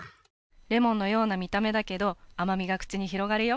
レモンのような見た目だけど甘みが口に広がるよ。